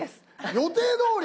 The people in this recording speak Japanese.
予定どおり？